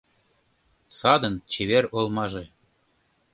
Садын чевер олмаже